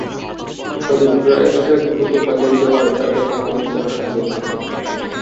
তবে কুরাইশরা দ্রুত পালিয়ে যাওয়ায় তাদের আক্রমণ করা সম্ভব হয়নি।